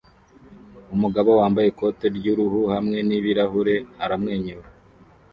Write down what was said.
Umugabo wambaye ikote ry'uruhu hamwe n'ibirahure aramwenyura